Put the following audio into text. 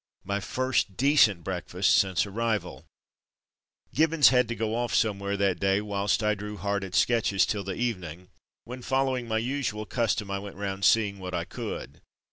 My first decent breakfast since arrival ! Gibbons had to go off somewhere that day whilst I drew hard at sketches till the eve ning, when, following my usual custom, I went round seeing what I could.